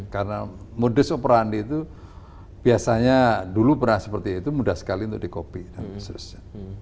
karena model superandi itu biasanya dulu pernah seperti itu mudah sekali untuk di copy